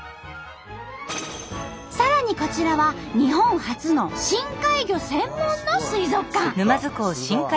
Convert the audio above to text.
さらにこちらは日本初の深海魚専門の水族館。